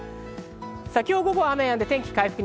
今日の午後は雨がやんで、天気は回復。